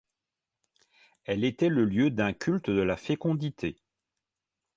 Elle était le lieu d’un culte de la fécondité.